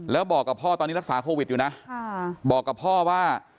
แล้วบอกกับพ่อตอนนี้รักษาโควิดอยู่นะบอกกับพ่อว่า